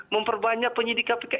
memperbanyak penyidik kpk